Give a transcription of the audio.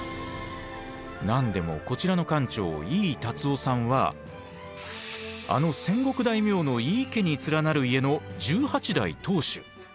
何でもこちらのあの戦国大名の井伊家に連なる家の十八代当主。